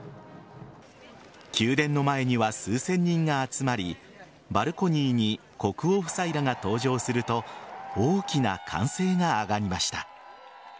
宮殿の前には数千人が集まりバルコニーに国王夫妻らが登場すると大きな歓声が上がりました。